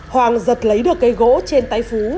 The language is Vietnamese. hoàng giật lấy được cây gỗ trên tay phú